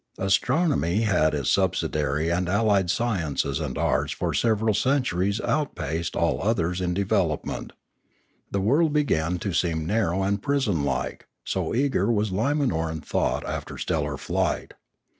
Astronomy and its subsidiary and allied sciences and arts for several centuries out paced all others in development. The world began to seem narrow and prison like, so eager was Limanoran thought after stellar flight.